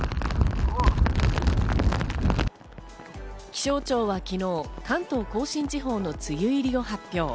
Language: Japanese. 気象庁は昨日、関東甲信地方の梅雨入りを発表。